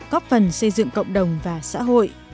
góp phần xây dựng cộng đồng và xã hội